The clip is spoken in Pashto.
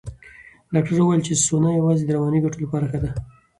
ډاکټره وویل چې سونا یوازې د رواني ګټو لپاره ښه ده.